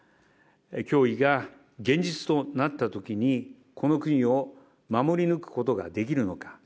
脅威が現実となったときに、この国を守り抜くことができるのか。